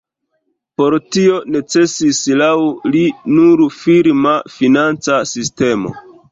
Por tio necesis laŭ li nur firma financa sistemo.